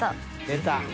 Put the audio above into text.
出た。